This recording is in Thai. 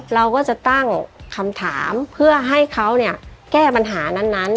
เราก็จะตั้งคำถามเพื่อให้เขาเนี่ยแก้ปัญหานั้น